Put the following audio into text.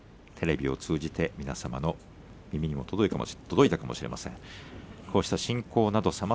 これはテレビを通じて皆様の耳にも届いたかもしれません。